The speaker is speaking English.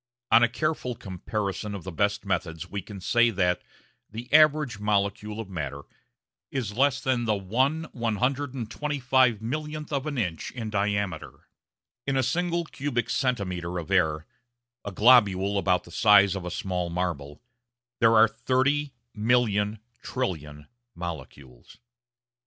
On a careful comparison of the best methods we can say that the average molecule of matter is less than the 1/125,000,000 of an inch in diameter. In a single cubic centimetre of air a globule about the size of a small marble there are thirty million trillion molecules.